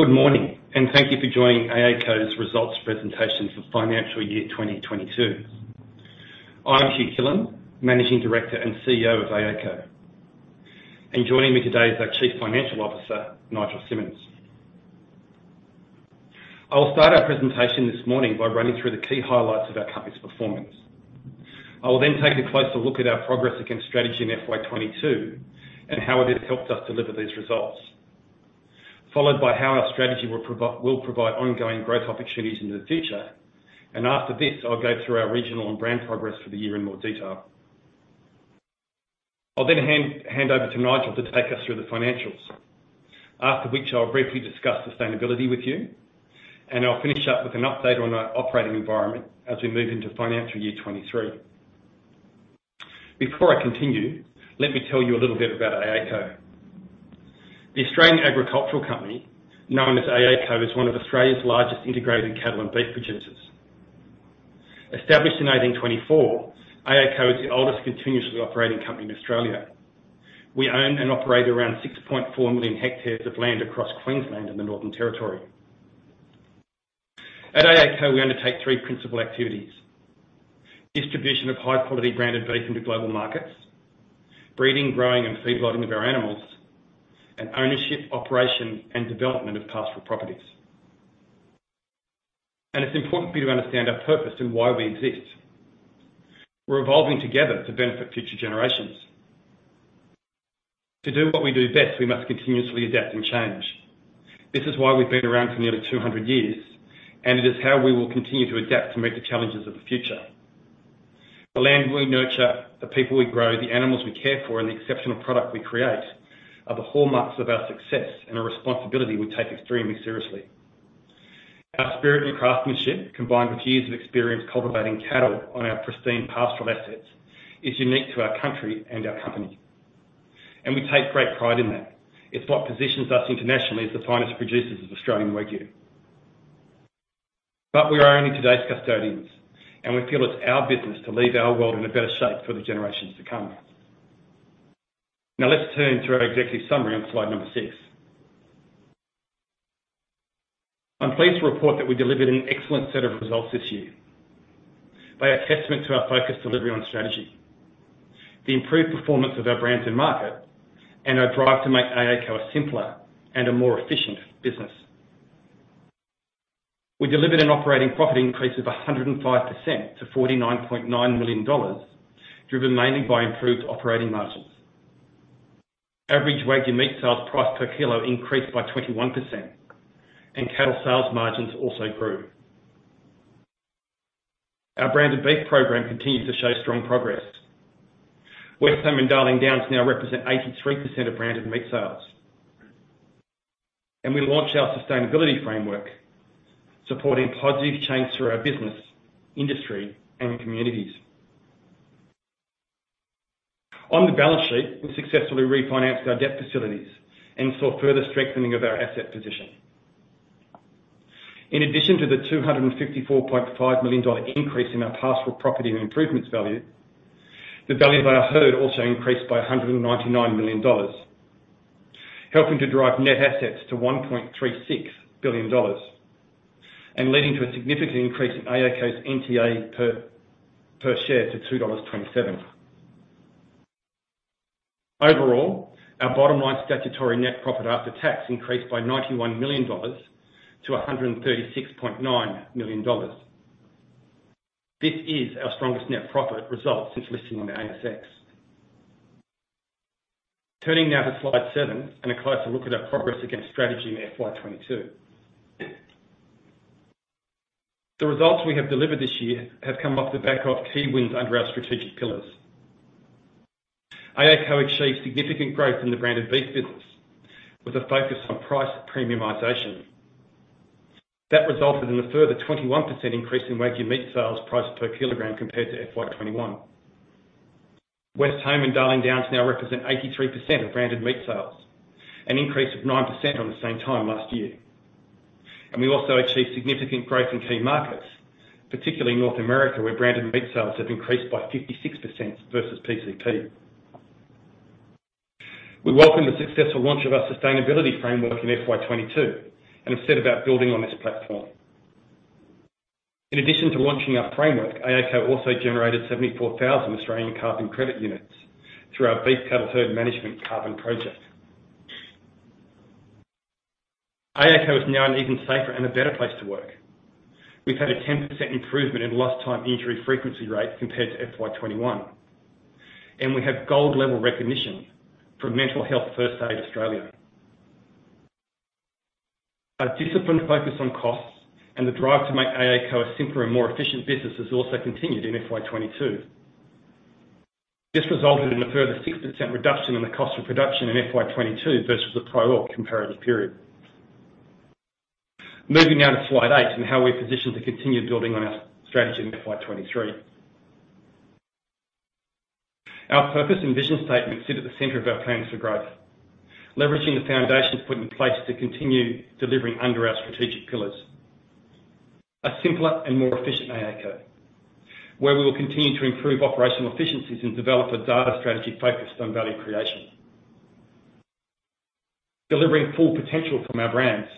Good morning, and thank you for joining AACo's results presentation for financial year 2022. I'm Hugh Killen, Managing Director and CEO of AACo. Joining me today is our Chief Financial Officer, Nigel Simonsz. I will start our presentation this morning by running through the key highlights of our company's performance. I will then take a closer look at our progress against strategy in FY 2022 and how it has helped us deliver these results, followed by how our strategy will provide ongoing growth opportunities into the future. After this, I'll go through our regional and brand progress for the year in more detail. I'll then hand over to Nigel to take us through the financials. After which I'll briefly discuss sustainability with you, and I'll finish up with an update on our operating environment as we move into financial year 2023. Before I continue, let me tell you a little bit about AACo. The Australian Agricultural Company, known as AACo, is one of Australia's largest integrated cattle and beef producers. Established in 1824, AACo is the oldest continuously operating company in Australia. We own and operate around 6.4 million hectares of land across Queensland and the Northern Territory. At AACo, we undertake three principal activities. Distribution of high-quality branded beef into global markets. Breeding, growing, and feedlotting of our animals. Ownership, operation, and development of pastoral properties. It's important for you to understand our purpose and why we exist. We're evolving together to benefit future generations. To do what we do best, we must continuously adapt and change. This is why we've been around for nearly 200 years, and it is how we will continue to adapt to meet the challenges of the future. The land we nurture, the people we grow, the animals we care for, and the exceptional product we create are the hallmarks of our success and a responsibility we take extremely seriously. Our spirit and craftsmanship, combined with years of experience cultivating cattle on our pristine pastoral assets, is unique to our country and our company. We take great pride in that. It's what positions us internationally as the finest producers of Australian Wagyu. We are only today's custodians, and we feel it's our business to leave our world in a better shape for the generations to come. Now let's turn to our executive summary on slide number six. I'm pleased to report that we delivered an excellent set of results this year. They are a testament to our focused delivery on strategy, the improved performance of our brands and market, and our drive to make AACo a simpler and a more efficient business. We delivered an operating profit increase of 105% to 49.9 million dollars, driven mainly by improved operating margins. Average Wagyu meat sales price per kilo increased by 21%, and cattle sales margins also grew. Our branded beef program continues to show strong progress. Westholme and Darling Downs now represent 83% of branded meat sales. We launched our sustainability framework, supporting positive change through our business, industry, and communities. On the balance sheet, we successfully refinanced our debt facilities and saw further strengthening of our asset position. In addition to the 254.5 million dollar increase in our pastoral property and improvements value, the value of our herd also increased by 199 million dollars, helping to drive net assets to 1.36 billion dollars. Leading to a significant increase in AACo's NTA per share to 2.27 dollars. Overall, our bottom line statutory net profit after tax increased by 91 million dollars to 136.9 million dollars. This is our strongest net profit result since listing on the ASX. Turning now to slide seven and a closer look at our progress against strategy in FY 2022. The results we have delivered this year have come off the back of key wins under our strategic pillars. AACo achieved significant growth in the branded beef business with a focus on price premiumization. That resulted in a further 21% increase in Wagyu meat sales price per kilogram compared to FY 2021. Westholme and Darling Downs now represent 83% of branded meat sales, an increase of 9% on the same time last year. We also achieved significant growth in key markets, particularly North America, where branded meat sales have increased by 56% versus PCP. We welcome the successful launch of our sustainability framework in FY2022 and have set about building on this platform. In addition to launching our framework, AACo also generated 74,000 Australian carbon credit units through our beef cattle herd management carbon project. AACo is now an even safer and a better place to work. We've had a 10% improvement in lost time injury frequency rates compared to FY 2021, and we have gold-level recognition from Mental Health First Aid Australia. Our disciplined focus on costs and the drive to make AACo a simpler and more efficient business has also continued in FY2022. This resulted in a further 6% reduction in the cost of production in FY2022 versus the prior comparative period. Moving now to slide 8 and how we're positioned to continue building on our strategy in FY2023. Our purpose and vision statement sit at the center of our plans for growth, leveraging the foundations put in place to continue delivering under our strategic pillars. A simpler and more efficient AACo, where we will continue to improve operational efficiencies and develop a data strategy focused on value creation. Delivering full potential from our brands,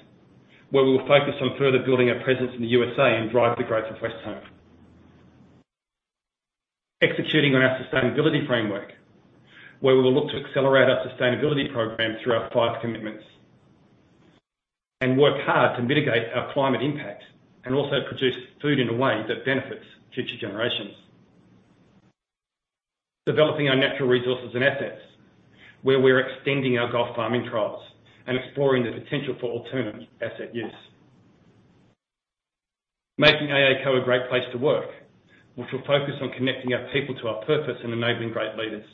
where we will focus on further building our presence in the USA and drive the growth of Westholme. Executing on our sustainability framework, where we will look to accelerate our sustainability program through our five commitments and work hard to mitigate our climate impact and also produce food in a way that benefits future generations. Developing our natural resources and assets, where we're extending our Gulf farming trials and exploring the potential for alternate asset use. Making AACo a great place to work, which will focus on connecting our people to our purpose and enabling great leaders.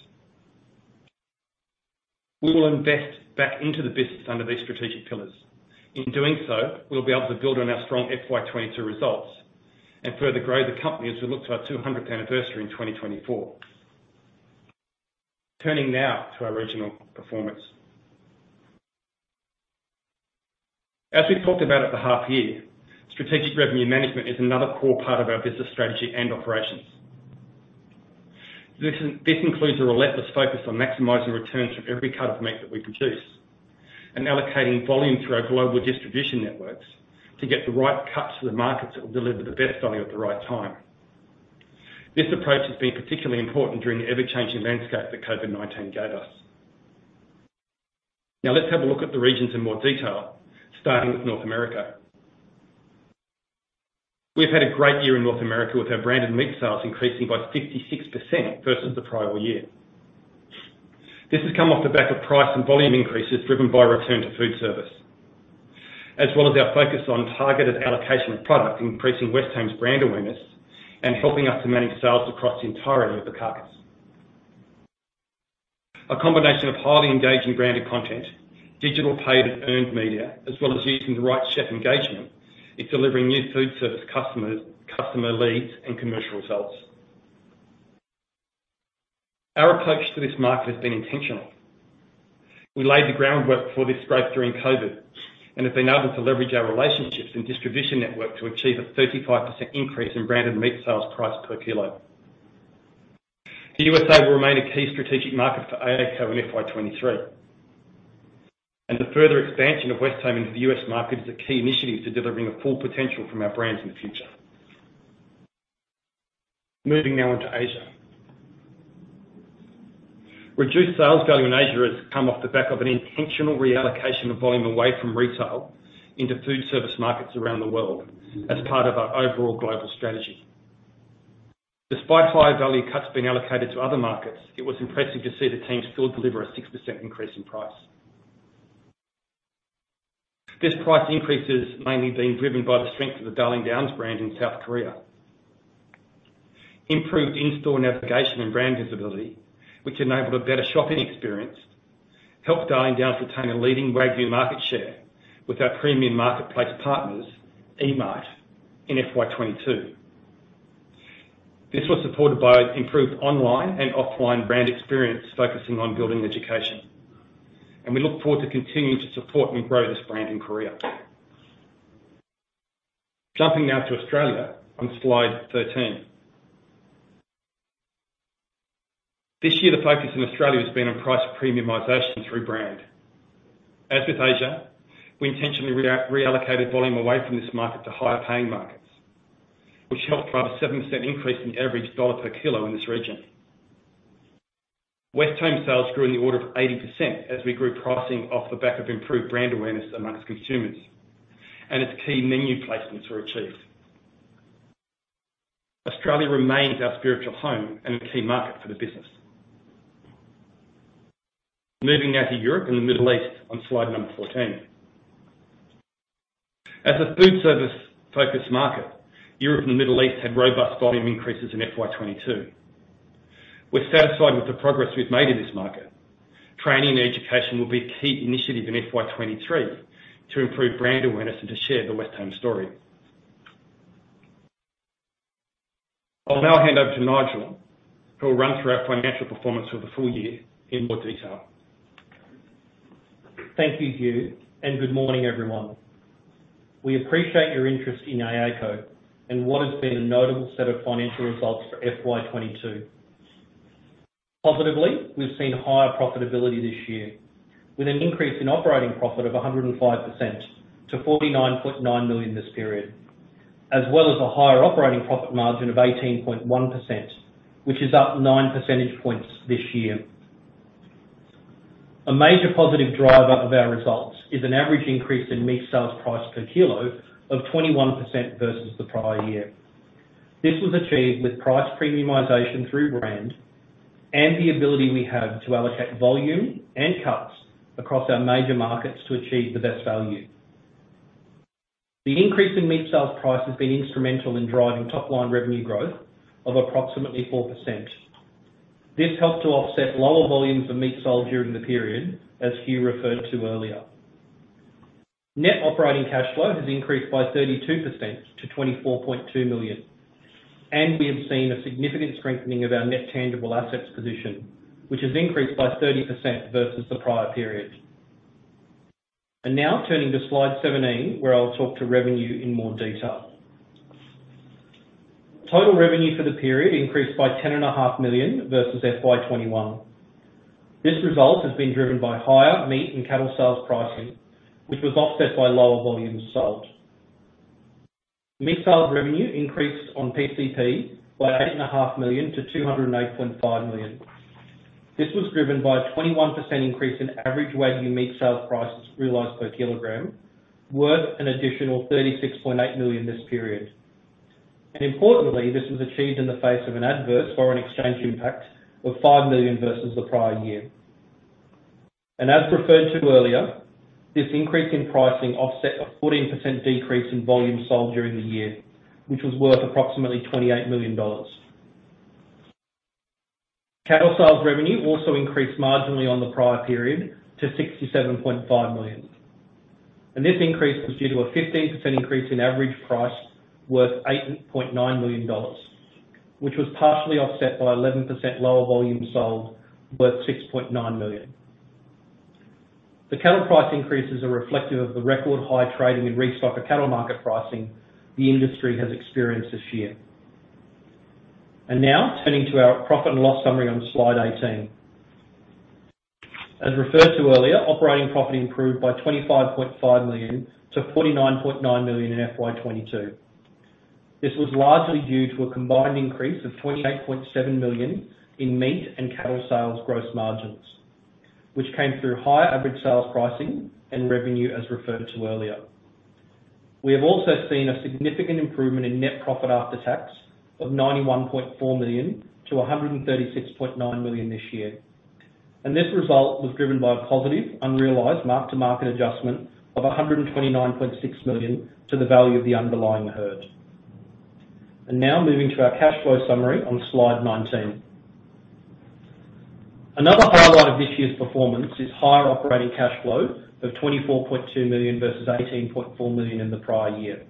We will invest back into the business under these strategic pillars. In doing so, we'll be able to build on our strong FY 2022 results and further grow the company as we look to our 200th anniversary in 2024. Turning now to our regional performance. As we talked about at the half year, strategic revenue management is another core part of our business strategy and operations. This includes a relentless focus on maximizing returns from every cut of meat that we produce and allocating volume through our global distribution networks to get the right cuts to the markets that will deliver the best value at the right time. This approach has been particularly important during the ever-changing landscape that COVID-19 gave us. Now let's have a look at the regions in more detail, starting with North America. We've had a great year in North America with our branded meat sales increasing by 56% versus the prior year. This has come off the back of price and volume increases driven by return to food service, as well as our focus on targeted allocation of product, increasing Westholme's brand awareness and helping us to manage sales across the entirety of the carcass. A combination of highly engaging branded content, digital paid and earned media, as well as using the right chef engagement is delivering new food service customers, customer leads and commercial results. Our approach to this market has been intentional. We laid the groundwork for this growth during COVID and have been able to leverage our relationships and distribution network to achieve a 35% increase in branded meat sales price per kilo. The USA will remain a key strategic market for AACo in FY2023, and the further expansion of Westholme into the US market is a key initiative to delivering the full potential from our brands in the future. Moving now into Asia. Reduced sales value in Asia has come off the back of an intentional reallocation of volume away from retail into food service markets around the world as part of our overall global strategy. Despite higher value cuts being allocated to other markets, it was impressive to see the teams still deliver a 6% increase in price. This price increase has mainly been driven by the strength of the Darling Downs brand in South Korea. Improved in-store navigation and brand visibility, which enabled a better shopping experience, helped Darling Downs attain a leading Wagyu market share with our premium marketplace partners, E-Mart, in FY22. This was supported by improved online and offline brand experience focusing on building education, and we look forward to continuing to support and grow this brand in Korea. Jumping now to Australia on slide 13. This year, the focus in Australia has been on price premiumization through brand. As with Asia, we intentionally reallocated volume away from this market to higher paying markets, which helped drive a 7% increase in average AUD per kilo in this region. Westholme sales grew in the order of 80% as we grew pricing off the back of improved brand awareness among consumers, and its key menu placements were achieved. Australia remains our spiritual home and a key market for the business. Moving now to Europe and the Middle East on slide number 14. As a food service focused market, Europe and the Middle East had robust volume increases in FY 2022. We're satisfied with the progress we've made in this market. Training and education will be a key initiative in FY 2023 to improve brand awareness and to share the Westholme story. I'll now hand over to Nigel, who will run through our financial performance for the full year in more detail. Thank you, Hugh, and good morning, everyone. We appreciate your interest in AACo and what has been a notable set of financial results for FY2022. Positively, we've seen higher profitability this year with an increase in operating profit of 105% to 49.9 million this period, as well as a higher operating profit margin of 18.1%, which is up nine percentage points this year. A major positive driver of our results is an average increase in meat sales price per kilo of 21% versus the prior year. This was achieved with price premiumization through brand and the ability we have to allocate volume and cuts across our major markets to achieve the best value. The increase in meat sales price has been instrumental in driving top-line revenue growth of approximately 4%. This helped to offset lower volumes of meat sold during the period, as Hugh referred to earlier. Net operating cash flow has increased by 32% to 24.2 million, and we have seen a significant strengthening of our net tangible assets position, which has increased by 30% versus the prior period. Now turning to slide 17, where I'll talk to revenue in more detail. Total revenue for the period increased by 10.5 million versus FY2021. This result has been driven by higher meat and cattle sales pricing, which was offset by lower volumes sold. Meat sales revenue increased on PCP by 8.5 million to 208.5 million. This was driven by a 21% increase in average weighted meat sales prices realized per kilogram, worth an additional 36.8 million this period. Importantly, this was achieved in the face of an adverse foreign exchange impact of 5 million versus the prior year. As referred to earlier, this increase in pricing offset a 14% decrease in volume sold during the year, which was worth approximately 28 million dollars. Cattle sales revenue also increased marginally on the prior period to 67.5 million. This increase was due to a 15% increase in average price worth 8.9 million dollars, which was partially offset by 11% lower volume sold, worth 6.9 million. The cattle price increases are reflective of the record high trading and restocker cattle market pricing the industry has experienced this year. Now turning to our profit and loss summary on slide 18. As referred to earlier, operating profit improved by 25.5 million to 49.9 million in FY 2022. This was largely due to a combined increase of 28.7 million in meat and cattle sales gross margins, which came through higher average sales pricing and revenue as referred to earlier. We have also seen a significant improvement in net profit after tax of 91.4 million-136.9 million this year. This result was driven by a positive unrealized mark-to-market adjustment of AUD 129.6 million to the value of the underlying herd. Now moving to our cash flow summary on slide 19. Another highlight of this year's performance is higher operating cash flow of 24.2 million versus 18.4 million in the prior year.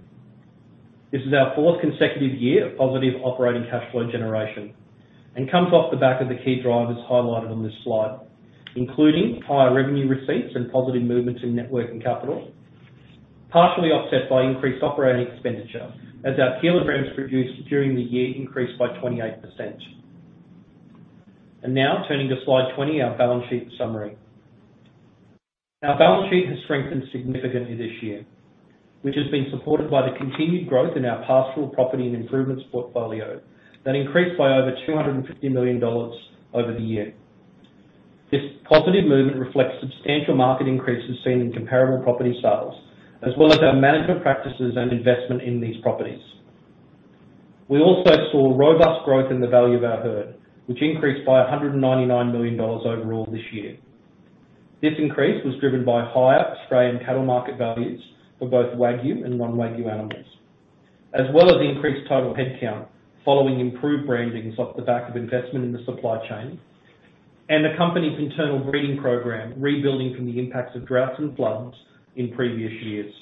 This is our 4th consecutive year of positive operating cash flow generation and comes off the back of the key drivers highlighted on this slide, including higher revenue receipts and positive movements in net working capital, partially offset by increased operating expenditure as our kilograms produced during the year increased by 28%. Now turning to slide 20, our balance sheet summary. Our balance sheet has strengthened significantly this year, which has been supported by the continued growth in our pastoral property and improvements portfolio that increased by over 250 million dollars over the year. This positive movement reflects substantial market increases seen in comparable property sales, as well as our management practices and investment in these properties. We also saw robust growth in the value of our herd, which increased by 199 million dollars overall this year. This increase was driven by higher Australian cattle market values for both Wagyu and non-Wagyu animals, as well as the increased total headcount following improved breedings off the back of investment in the supply chain and the company's internal breeding program rebuilding from the impacts of droughts and floods in previous years.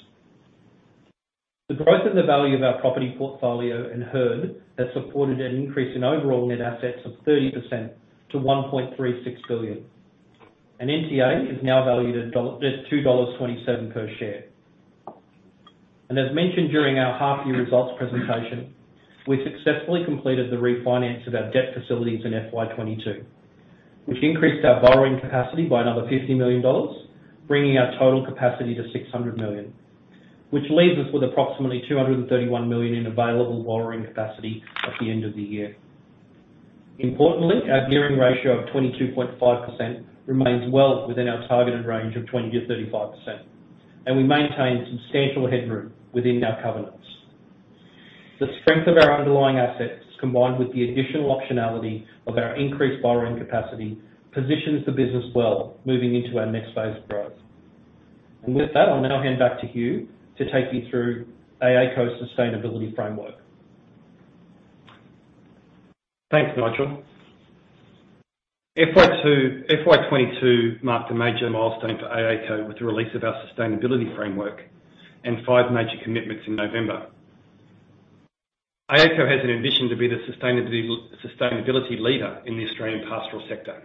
The growth of the value of our property portfolio and herd has supported an increase in overall net assets of 30% to 1.36 billion. NTA is now valued at 2.27 dollars per share. As mentioned during our half year results presentation, we successfully completed the refinance of our debt facilities in FY2022, which increased our borrowing capacity by another 50 million dollars, bringing our total capacity to 600 million, which leaves us with approximately 231 million in available borrowing capacity at the end of the year. Importantly, our gearing ratio of 22.5% remains well within our targeted range of 20%-35%, and we maintain substantial headroom within our covenants. The strength of our underlying assets, combined with the additional optionality of our increased borrowing capacity, positions the business well moving into our next phase of growth. With that, I'll now hand back to Hugh to take you through AACo's sustainability framework. Thanks, Nigel. FY2022 marked a major milestone for AACo with the release of our sustainability framework and five major commitments in November. AACo has an ambition to be the sustainability leader in the Australian pastoral sector.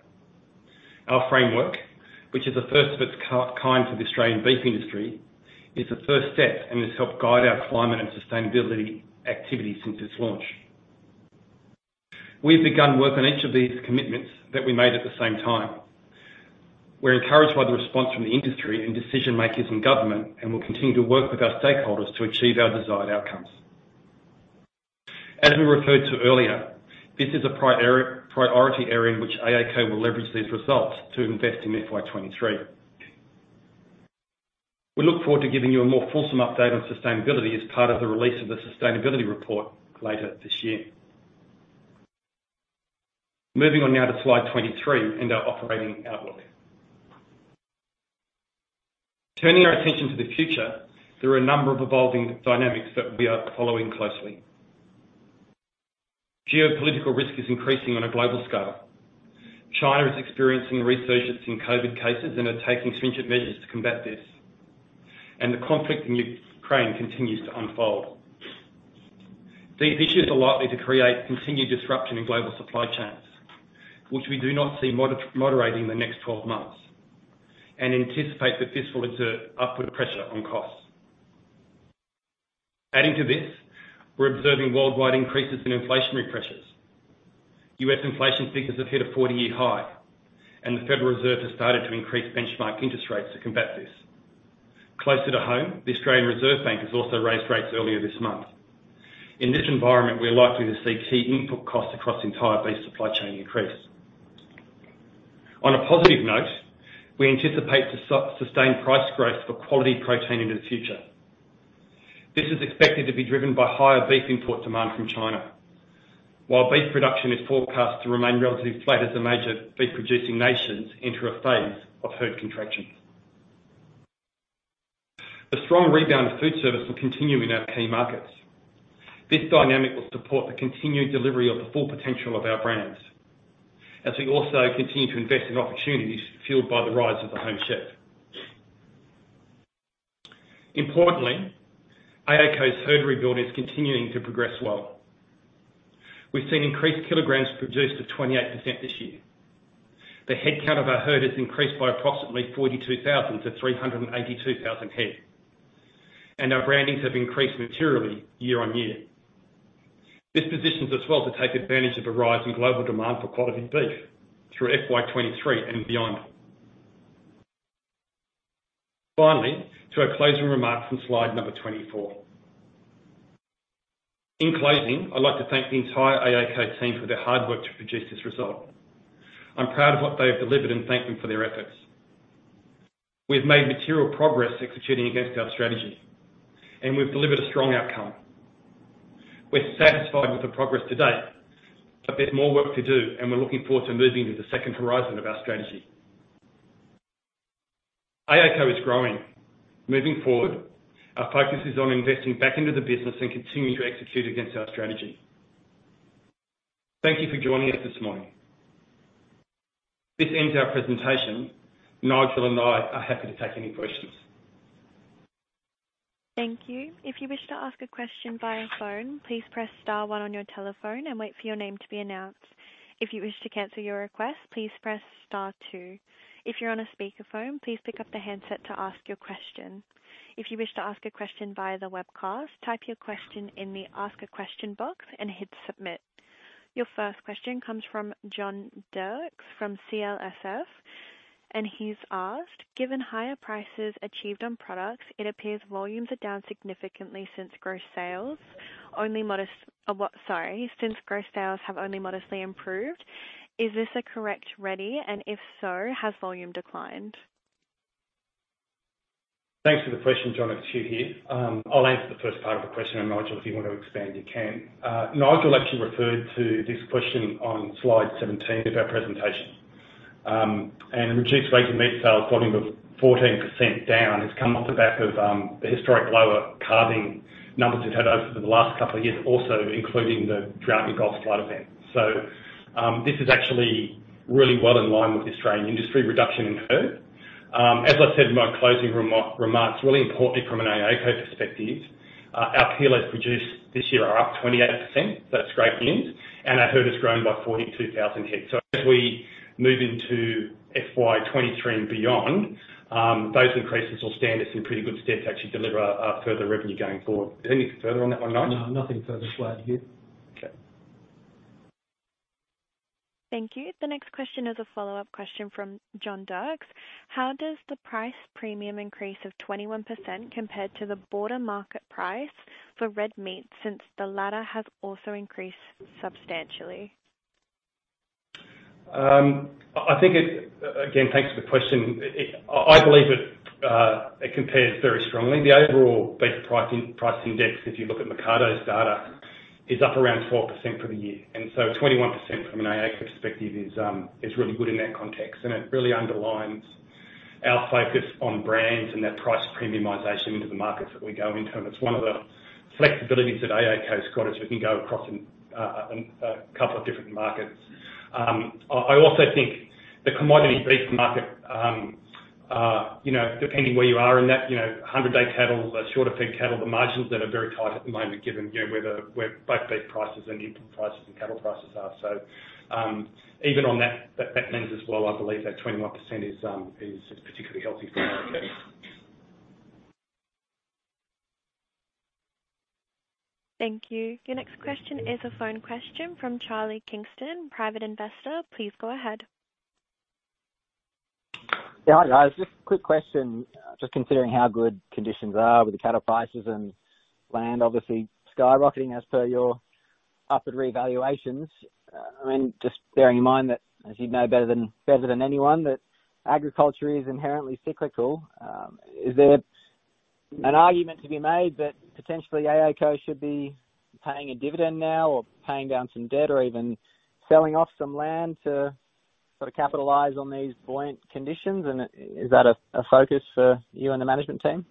Our framework, which is the first of its kind for the Australian beef industry, is the first step and has helped guide our climate and sustainability activities since its launch. We've begun work on each of these commitments that we made at the same time. We're encouraged by the response from the industry and decision makers in government, and will continue to work with our stakeholders to achieve our desired outcomes. As we referred to earlier, this is a priority area in which AACo will leverage these results to invest in FY2023. We look forward to giving you a more fulsome update on sustainability as part of the release of the sustainability report later this year. Moving on now to slide 23 and our operating outlook. Turning our attention to the future, there are a number of evolving dynamics that we are following closely. Geopolitical risk is increasing on a global scale. China is experiencing a resurgence in COVID cases and are taking stringent measures to combat this. The conflict in Ukraine continues to unfold. These issues are likely to create continued disruption in global supply chains, which we do not see moderating in the next 12 months, and anticipate that this will exert upward pressure on costs. Adding to this, we're observing worldwide increases in inflationary pressures. US inflation figures have hit a 40-year high, and the Federal Reserve has started to increase benchmark interest rates to combat this. Closer to home, the Reserve Bank of Australia has also raised rates earlier this month. In this environment, we're likely to see key input costs across the entire beef supply chain increase. On a positive note, we anticipate sustained price growth for quality protein into the future. This is expected to be driven by higher beef import demand from China. While beef production is forecast to remain relatively flat as the major beef producing nations enter a phase of herd contraction. The strong rebound to food service will continue in our key markets. This dynamic will support the continued delivery of the full potential of our brands as we also continue to invest in opportunities fueled by the rise of the home chef. Importantly, AACo's herd rebuild is continuing to progress well. We've seen increased kilograms produced of 28% this year. The headcount of our herd has increased by approximately 42,000 to 382,000 head, and our brandings have increased materially year on year. This positions us well to take advantage of a rise in global demand for quality beef through FY2023 and beyond. Finally, to our closing remarks on slide number 24. In closing, I'd like to thank the entire AACo team for their hard work to produce this result. I'm proud of what they have delivered and thank them for their efforts. We've made material progress executing against our strategy, and we've delivered a strong outcome. We're satisfied with the progress to date, but there's more work to do, and we're looking forward to moving to the second horizon of our strategy. AACo is growing. Moving forward, our focus is on investing back into the business and continuing to execute against our strategy. Thank you for joining us this morning. This ends our presentation. Nigel and I are happy to take any questions. Thank you. If you wish to ask a question via phone, please press star one on your telephone and wait for your name to be announced. If you wish to cancel your request, please press star two. If you're on a speakerphone, please pick up the handset to ask your question. If you wish to ask a question via the webcast, type your question in the ask a question box and hit submit. Your first question comes from John Dirks from CLSA, and he's asked, "Given higher prices achieved on products, it appears volumes are down significantly since gross sales have only modestly improved. Is this a correct reading, and if so, has volume declined? Thanks for the question, John. It's Hugh here. I'll answer the first part of the question, and Nigel, if you want to expand, you can. Nigel actually referred to this question on slide 17 of our presentation, and reduced rates of meat sales volume of 14% down has come off the back of, the historic lower calving numbers we've had over the last couple of years, also including the drought and Gulf flood event. This is actually really well in line with Australian industry reduction in herd. As I said in my closing remarks, really importantly from an AACo perspective, our kilos produced this year are up 28%, so that's great news, and our herd has grown by 42,000 head. As we move into FY23 and beyond, those increases will stand us in pretty good stead to actually deliver further revenue going forward. Anything further on that one, Nigel? No, nothing further to add, Hugh. Okay. Thank you. The next question is a follow-up question from John Dirks. How does the price premium increase of 21% compare to the broader market price for red meat since the latter has also increased substantially? I think it. Again, thanks for the question. I believe it compares very strongly. The overall beef price index, if you look at Mecardo data, is up around 4% for the year. 21% from an AACo perspective is really good in that context, and it really underlines our focus on brands and that price premiumization into the markets that we go into. It's one of the flexibilities that AACo has got is we can go across a couple of different markets. I also think the commodity beef market, you know, depending where you are in that 100-day cattle, the shorter fed cattle, the margins that are very tight at the moment given, you know, where both beef prices and input prices and cattle prices are. Even on that lens as well, I believe that 21% is particularly healthy for AACo. Thank you. Your next question is a phone question from Charlie Kingston, Private Investor. Please go ahead. Yeah, hi guys. Just a quick question, just considering how good conditions are with the cattle prices and land obviously skyrocketing as per your upward revaluations. I mean, just bearing in mind that as you'd know better than anyone, that agriculture is inherently cyclical, is there an argument to be made that potentially AACo should be paying a dividend now or paying down some debt or even selling off some land to sort of capitalize on these buoyant conditions? Is that a focus for you and the management team?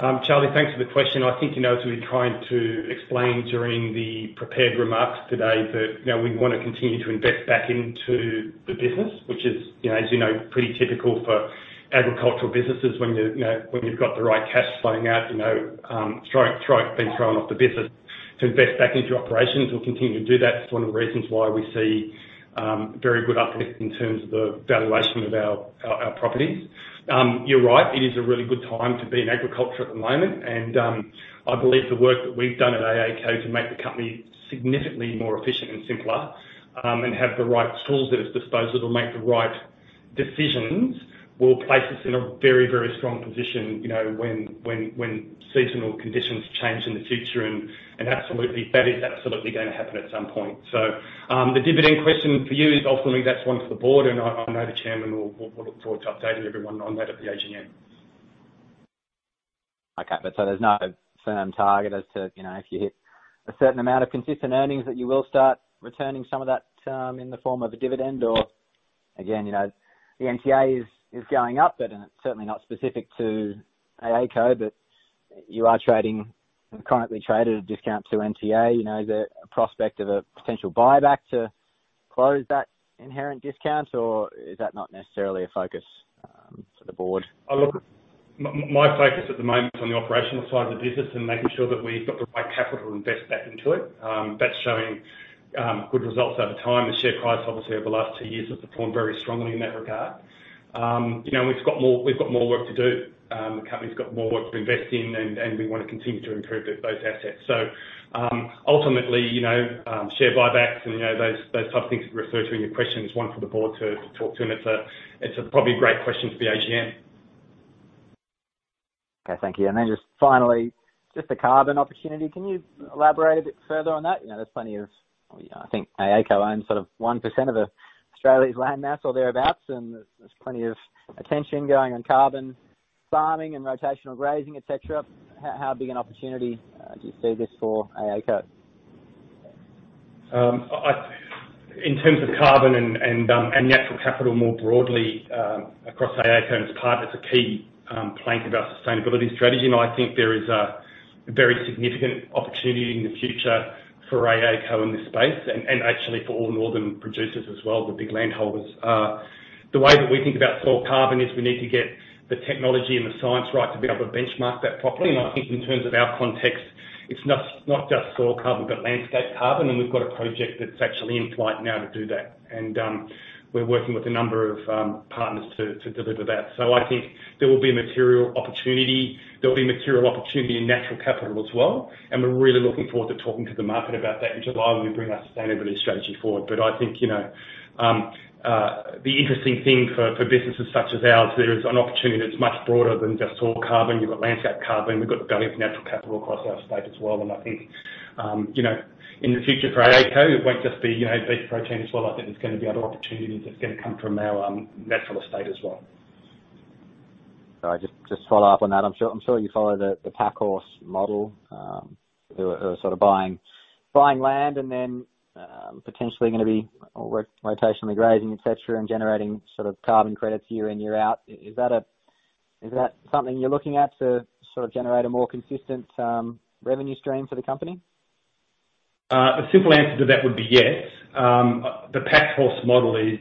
Charlie, thanks for the question. I think, you know, as we were trying to explain during the prepared remarks today that, you know, we wanna continue to invest back into the business, which is, you know, pretty typical for agricultural businesses when you know, when you've got the right cash flow being thrown off the business to invest back into operations. We'll continue to do that. It's one of the reasons why we see very good uplift in terms of the valuation of our properties. You're right, it is a really good time to be in agriculture at the moment, and I believe the work that we've done at AACo to make the company significantly more efficient and simpler, and have the right tools at its disposal to make the right decisions, will place us in a very, very strong position, you know, when seasonal conditions change in the future. Absolutely, that is absolutely gonna happen at some point. The dividend question for you is ultimately that's one for the board, and I know the chairman will look forward to updating everyone on that at the AGM. Okay. There's no firm target as to, you know, if you hit a certain amount of consistent earnings, that you will start returning some of that in the form of a dividend? Or again, you know, the NTA is going up, but it's certainly not specific to AACo, but you are currently trading at a discount to NTA. You know, is there a prospect of a potential buyback to close that inherent discount, or is that not necessarily a focus for the board? My focus at the moment is on the operational side of the business and making sure that we've got the right capital to invest back into it. That's showing good results over time. The share price, obviously, over the last two years has performed very strongly in that regard. You know, we've got more work to do. The company's got more work to invest in and we wanna continue to improve those assets. Ultimately, you know, share buybacks and those type of things you refer to in your question is one for the board to talk to, and it's probably a great question for the AGM. Okay, thank you. Just finally, just the carbon opportunity. Can you elaborate a bit further on that? There's plenty of. I think AACo owns sort of 1% of Australia's land mass or thereabout, and there's plenty of attention going on carbon farming and rotational grazing, et cetera. How big an opportunity do you see this for AACo? In terms of carbon and natural capital more broadly, across AACo and its partners, a key plank of our sustainability strategy, and I think there is a very significant opportunity in the future for AACo in this space and actually for all northern producers as well, the big landholders. The way that we think about soil carbon is we need to get the technology and the science right to be able to benchmark that properly. We're working with a number of partners to deliver that. I think there will be material opportunity. There'll be material opportunity in natural capital as well, and we're really looking forward to talking to the market about that in July when we bring our sustainability strategy forward. I think, you know, the interesting thing for businesses such as ours, there is an opportunity that's much broader than just soil carbon. You've got landscape carbon. We've got the value of natural capital across our estate as well. I think, you know, in the future for AACo, it won't just be, you know, beef protein as well. I think there's gonna be other opportunities that's gonna come from our natural estate as well. Just to follow up on that. I'm sure you follow the Packhorse model, who are sort of buying land and then potentially gonna be rotationally grazing, et cetera, and generating sort of carbon credits year in, year out. Is that something you're looking at to sort of generate a more consistent revenue stream for the company? A simple answer to that would be yes. The Packhorse model is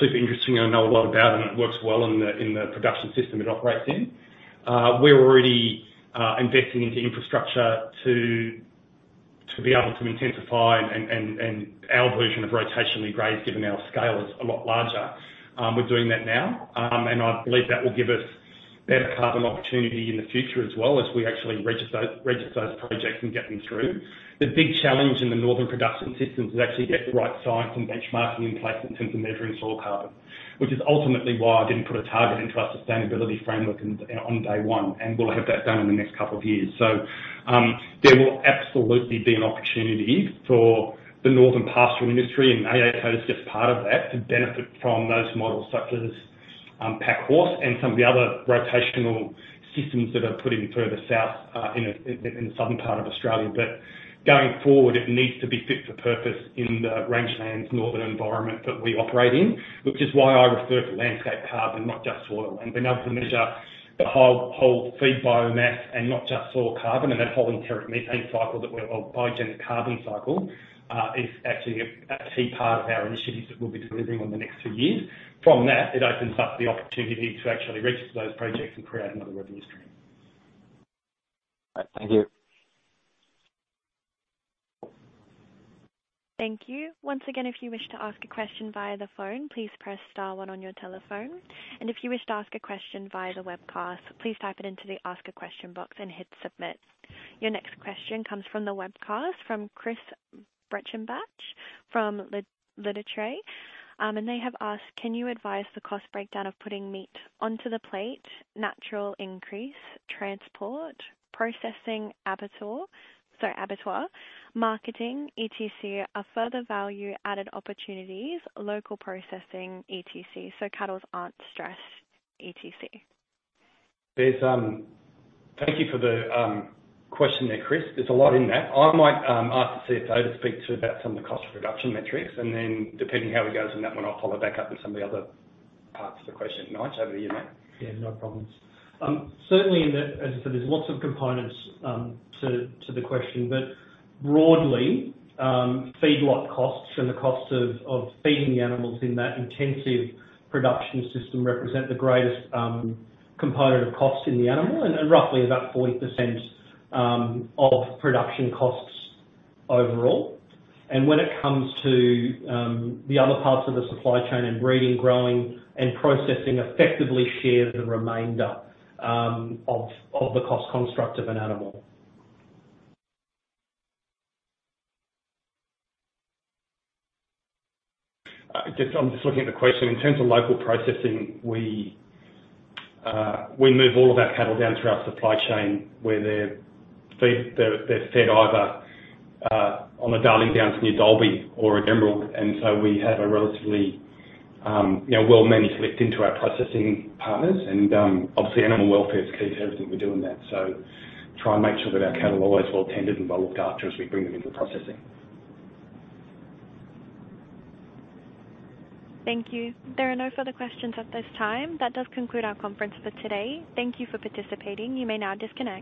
super interesting. I know a lot about them. It works well in the production system it operates in. We're already investing into infrastructure to be able to intensify and our version of rotationally graze, given our scale, is a lot larger. We're doing that now, and I believe that will give us better carbon opportunity in the future as well as we actually register those projects and get them through. The big challenge in the northern production systems is actually to get the right science and benchmarking in place in terms of measuring soil carbon. Which is ultimately why I didn't put a target into our sustainability framework on day one, and will have that done in the next couple of years. There will absolutely be an opportunity for the northern pastoral industry, and AACo is just part of that, to benefit from those models such as Packhorse and some of the other rotational systems that are putting further south in the southern part of Australia. Going forward, it needs to be fit for purpose in the rangelands northern environment that we operate in, which is why I refer to landscape carbon, not just soil. Being able to measure the whole feed biomass and not just soil carbon and that whole enteric methane cycle or biogenic carbon cycle is actually a key part of our initiatives that we'll be delivering on the next few years. From that, it opens up the opportunity to actually register those projects and create another revenue stream. All right. Thank you. Thank you. Once again, if you wish to ask a question via the phone, please press star one on your telephone. If you wish to ask a question via the webcast, please type it into the ask a question box and hit submit. Your next question comes from the webcast from Chris Bretchenbach from Leutenegger. They have asked, "Can you advise the cost breakdown of putting meat onto the plate, natural increase, transport, processing, abattoir, marketing, etc., are further value added opportunities, local processing, etc., so cattles aren't stressed, etc.? Thank you for the question there, Chris. There's a lot in that. I might ask the CFO to speak to you about some of the cost reduction metrics, and then depending how he goes on that one, I'll follow back up with some of the other parts of the question. Nige, over to you, mate. Yeah, no problems. Certainly, as I said, there's lots of components to the question. Broadly, feedlot costs and the cost of feeding the animals in that intensive production system represent the greatest component of cost in the animal and roughly about 40% of production costs overall. When it comes to the other parts of the supply chain and breeding, growing, and processing effectively share the remainder of the cost construct of an animal. I'm just looking at the question. In terms of local processing, we move all of our cattle down through our supply chain where they're fed either on the Darling Downs near Dalby or at Emerald. Obviously animal welfare is key to everything we do in that. Try and make sure that our cattle are always well-tended and well looked after as we bring them into processing. Thank you. There are no further questions at this time. That does conclude our conference for today. Thank you for participating. You may now disconnect.